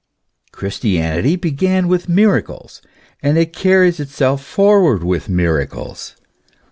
Christianity began with miracles, and it carries itself forward with miracles.